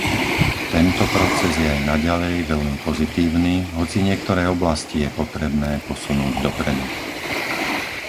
Tento proces je aj naďalej veľmi pozitívny, hoci niektoré oblasti je potrebné posunúť dopredu.